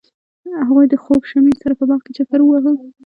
هغوی د خوږ شمیم سره په باغ کې چکر وواهه.